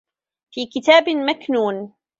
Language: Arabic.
في كِتابٍ مَكنونٍ